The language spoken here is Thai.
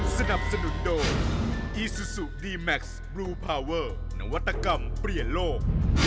สนับสนุนโดยอีซูซูดีแม็กซ์บลูพาเวอร์นวัตกรรมเปลี่ยนโลก